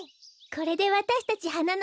これでわたしたちはな